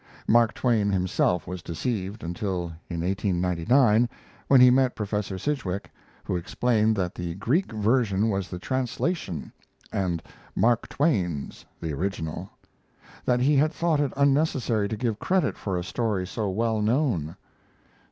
Mark Twain himself was deceived, until in 1899, when he met Professor Sidgwick, who explained that the Greek version was the translation and Mark Twain's the original; that he had thought it unnecessary to give credit for a story so well known.